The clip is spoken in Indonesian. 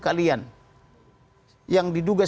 kalian yang diduga